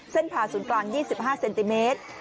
เส้นผ่าศูนย์กลางยี่สิบห้าเซนติเมตร